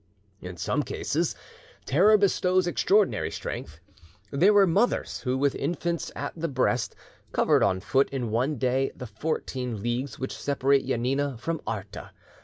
In some cases terror bestows extraordinary strength, there were mothers who, with infants at the breast, covered on foot in one day the fourteen leagues which separate Janina from Arta.